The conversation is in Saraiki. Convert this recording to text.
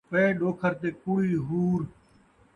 پئے ݙوکھر تے کُڑی حور